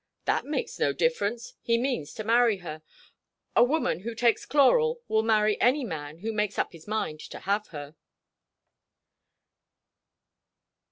"That makes no difference. He means to marry her. A woman who takes chloral will marry any man who makes up his mind to have her."